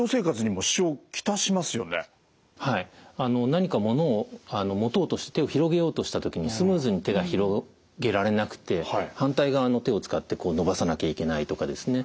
何か物を持とうとして手を広げようとした時にスムーズに手が広げられなくて反対側の手を使って伸ばさなきゃいけないとかですね。